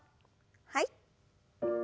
はい。